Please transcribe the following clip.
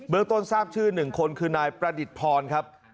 เบื้องต้นทราบชื่อหนึ่งคนคือนายประดิษภรณ์ครับ